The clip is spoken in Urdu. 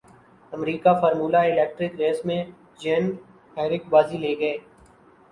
امریکہ فامولا الیکٹرک ریس میں جین ایرک بازی لے گئے